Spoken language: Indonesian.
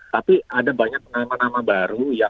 tapi ada banyak nama nama baru